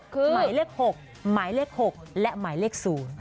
คือหมายเลข๖หมายเลข๖และหมายเลข๐